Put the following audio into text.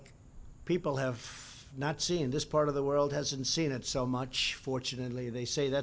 ketika anda melihat tornado huruf dan semua desa desa natural yang berbeda